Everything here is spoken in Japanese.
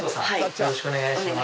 よろしくお願いします